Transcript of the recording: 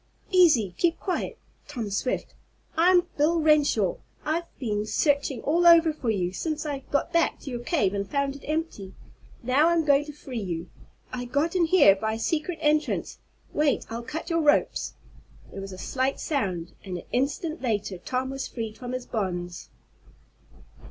"Easy keep quiet, Tom Swift! I'm Bill Renshaw! I've been searching all over for you, since I got back to your cave and found it empty. Now I'm going to free you. I got in here by a secret entrance. Wait, I'll cut your ropes." There was a slight sound, and an instant later Tom was freed from his bonds.